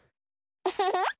ウフフ。